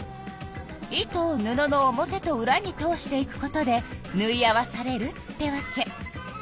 糸を布の表とうらに通していくことでぬい合わされるってわけ。